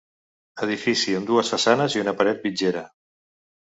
Edifici amb dues façanes i una paret mitgera.